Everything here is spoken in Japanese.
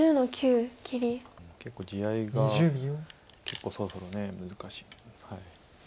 結構地合いがそろそろ難しい。